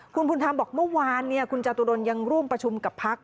คุณบุญธรรมบอกเมื่อวานคุณจตุรนยังร่วมประชุมกับพัก